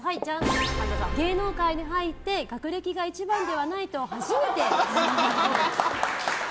芸能界に入って学歴が一番ではないと初めて知ったっぽい。